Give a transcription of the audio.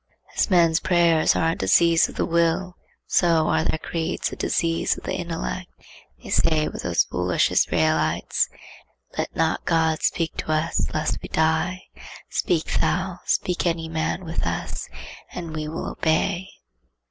As men's prayers are a disease of the will, so are their creeds a disease of the intellect. They say with those foolish Israelites, 'Let not God speak to us, lest we die. Speak thou, speak any man with us, and we will obey.